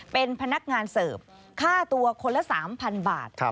เป็นพนักงานเสิร์ฟค่าตัวคนละ๓๐๐๐บาท